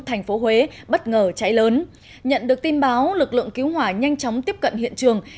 thành phố huế bất ngờ cháy lớn nhận được tin báo lực lượng cứu hỏa nhanh chóng tiếp cận hiện trường